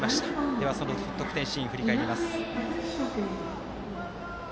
では、得点シーン振り返ります。